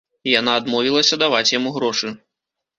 Яна адмовілася даваць яму грошы.